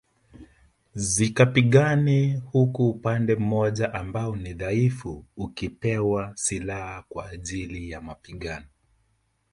Zikapigane huku upande mmoja ambao ni dhaifu ukipewa silaha kwa ajili ya mapigano